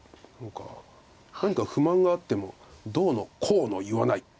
何か不満があってもどうの「こうの」言わない感じがします。